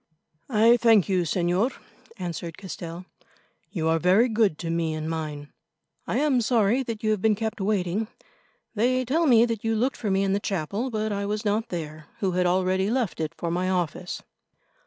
"I thank you, Señor," answered Castell. "You are very good to me and mine. I am sorry that you have been kept waiting. They tell me that you looked for me in the chapel, but I was not there, who had already left it for my office."